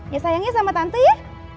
ya sayangnya sama tante ya